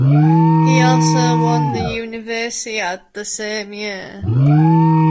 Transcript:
He also won the Universiade the same year.